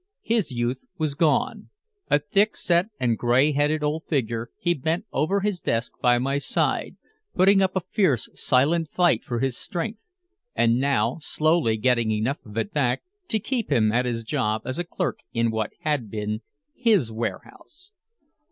His youth was gone. A thick set and gray headed old figure, he bent over his desk by my side, putting up a fierce, silent fight for his strength, and now slowly getting enough of it back to keep him at his job as a clerk in what had been his warehouse.